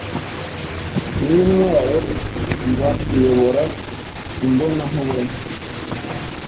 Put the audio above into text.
Nintwaro Nzakuyobora imbonankubone